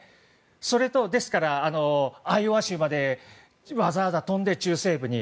それと、ですからアイオワ州までわざわざ飛んで中西部に。